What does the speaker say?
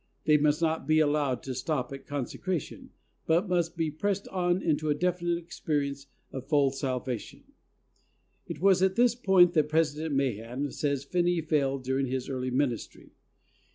They must not be allowed to stop at consecration, but must be pressed on into a definite experience of full salvation. It was at this point that President Mahan 122 THE soul winner's secret. says Finney failed during his early ministry.